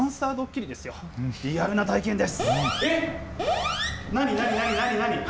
リアルな体験です。